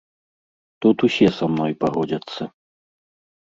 Тут усе са мной пагодзяцца.